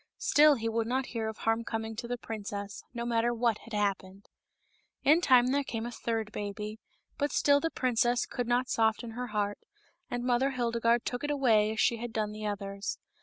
Still he would not hear of harm coming to the princess, no matter what had happened. In time there came a third baby, but still the princess could not soften her heart, and Mother Hildegarde took it away as she had done the others.